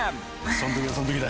その時はその時だ。